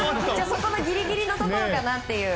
そこのギリギリのところかなという。